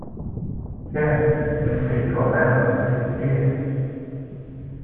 Tiens! essaie toi-même avec cette pierre.